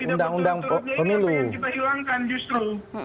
itu yang kita hilangkan justru